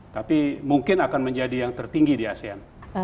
tapi mungkin akan menjadi yang tertinggi di asean